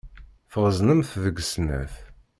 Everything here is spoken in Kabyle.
Tɣeẓnemt deg snat.